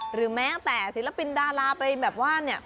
หรือแม้แต่ศิลปินดาราไปแบบว่าเนี่ย